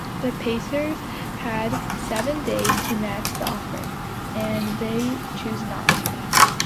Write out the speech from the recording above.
The Pacers had seven days to match the offer, and they chose not to.